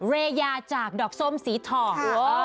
เรยาจากดอกส้มสีทอง